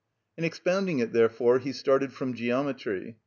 In expounding it, therefore, he started from geometry.